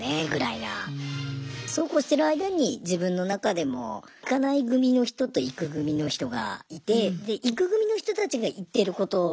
そうこうしてる間に自分の中でも行かない組の人と行く組の人がいて行く組の人たちが行ってることなんだな